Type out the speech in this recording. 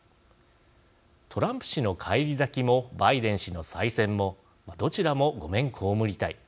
トランプ氏の返り咲きもバイデン氏の再選もどちらも御免被りたい。